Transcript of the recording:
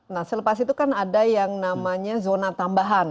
nah selepas itu kan ada yang namanya zona tambahan